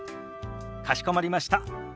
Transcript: かしこまりました。